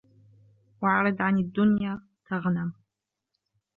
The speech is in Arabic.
وَاعْرِضْ عَنْ الدُّنْيَا تَغْنَمْ